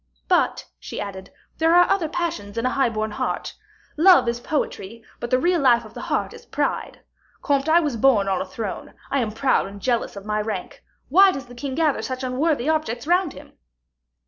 "But," she added, "there are other passions in a high born heart. Love is poetry; but the real life of the heart is pride. Comte, I was born on a throne, I am proud and jealous of my rank. Why does the king gather such unworthy objects round him?"